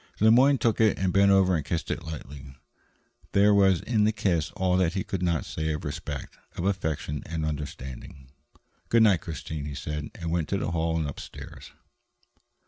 Le Moyne took it and bent over and kissed it lightly. There was in the kiss all that he could not say of respect, of affection and understanding. "Good night, Christine," he said, and went into the hall and upstairs.